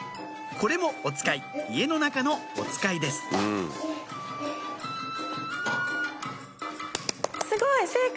これもおつかい家の中のおつかいです